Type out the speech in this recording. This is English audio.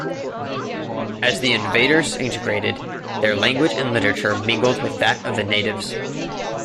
As the invaders integrated, their language and literature mingled with that of the natives.